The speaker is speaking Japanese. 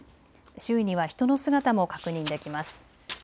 周囲には人の姿も確認できます。